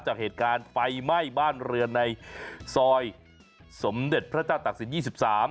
จากเหตุการณ์ไฟไหม้บ้านเรือนในซอยสมเด็จพระเจ้าตักศิลปยี่สิบสาม